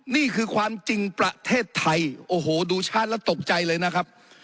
นี่คือความจริงประเทศไทยโอ้โหดูชาติแล้วตกใจเลยนะครับ